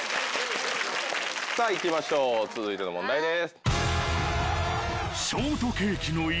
さぁ行きましょう続いての問題です。